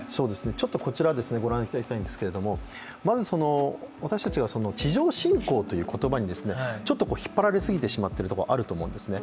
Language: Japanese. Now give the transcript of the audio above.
ちょっとこちら御覧いただきたいんですがまず、私たちが地上侵攻という言葉にちょっと引っ張られすぎてしまっているところはあると思うんですね。